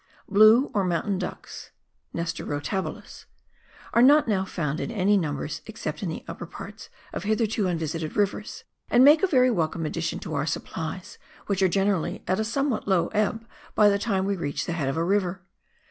Blue, or mountain ducks (Nestor rotahiUs), are not now found in any numbers except in the upper parts of hitherto unvisited rivers, and make a very welcome addition to our supplies, which are generally at a somewhat low ebb by the time we reach the head of a river.